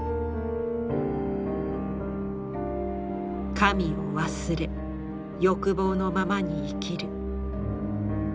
神を忘れ欲望のままに生きる。